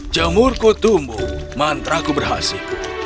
jamur kutum mantra ku berhasil